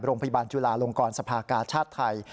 โรงพยาบาลจุลาลงกรสภากาชาติไทย